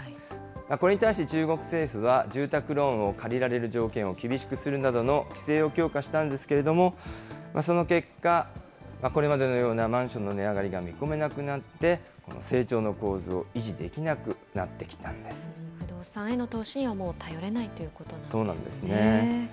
これに対して中国政府は、住宅ローンを借りられる条件を厳しくするなどの規制を強化したんですけれども、その結果、これまでのようなマンションの値上がりが見込めなくなって、この成長の構図を維持できなくなってきたん不動産への投資にはもう頼れそうなんですね。